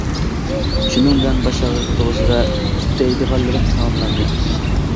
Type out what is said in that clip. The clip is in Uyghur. شۇنىڭ بىلەن باش ئاغرىقى توغرىسىدا دەيدىغانلىرىم تاماملاندى.